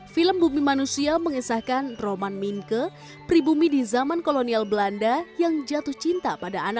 film bumi manusia mengisahkan roman mingke pribumi di zaman kolonial belanda yang jatuh cinta pada anaknya